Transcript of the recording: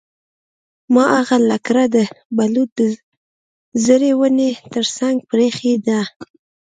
ما هغه لکړه د بلوط د زړې ونې ترڅنګ پریښې ده